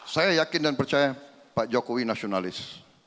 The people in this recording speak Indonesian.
saya yakin dan percaya pak jokowi nasionalis